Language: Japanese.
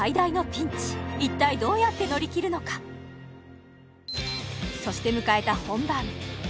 一体どうやって乗り切るのかそして迎えた本番